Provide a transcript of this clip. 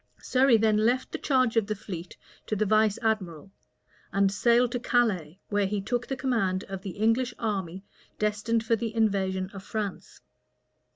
Surrey then left the charge of the fleet to the vice admiral; and sailed to Calais, where he took the command of the English army destined for the invasion of France.